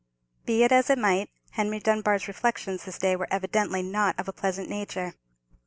Be it as it might, Mr. Dunbar's reflections this day were evidently not of a pleasant nature.